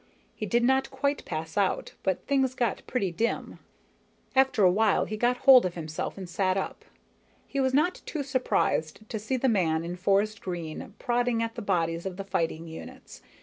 He did not quite pass out, but things got pretty dim. After a while he got hold of himself and sat up. He was not too surprised to see the man in forest green prodding at the bodies of the fighting units.